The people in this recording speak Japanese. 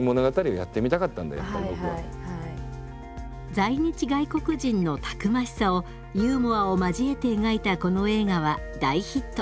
在日外国人のたくましさをユーモアを交えて描いたこの映画は大ヒット。